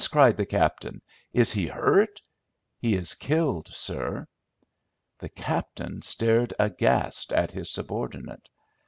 cried the captain. "Is he hurt?" "He is killed, sir." The captain stared aghast at his subordinate.